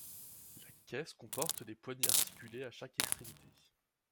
La caisse comporte des poignées articulées à chaque extrémité.